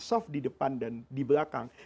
soft di depan dan di belakang